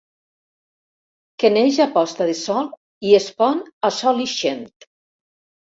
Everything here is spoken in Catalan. Que neix a posta de sol i es pon a sol ixent.